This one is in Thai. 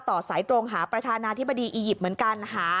ต่อสายตรงหาประธานาธิบดีอียิปต์เหมือนกัน